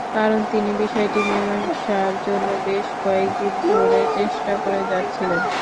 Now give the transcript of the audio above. কারণ তিনি বিষয়টি মীমাংসার জন্য বেশ কয়েক দিন ধরে চেষ্টা করে যাচ্ছিলেন।